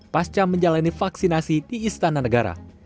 pasca menjalani vaksinasi di istana negara